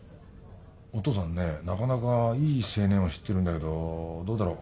お父さんねなかなかいい青年を知ってるんだけどどうだろう？